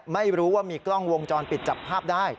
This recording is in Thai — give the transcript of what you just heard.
ไม่รู้ว่ามีกล้องวงจรปิดจับภาพได้